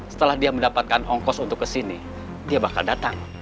setelah dia mendapatkan ongkos untuk kesini dia bakal datang